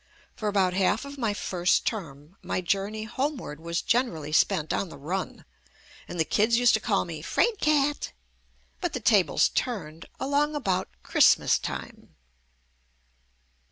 For about half of my first term, my journey homeward was generally spent on the run, and the kids used to call me " 'Fraid cat" ; but the tables turned along about Christmas time.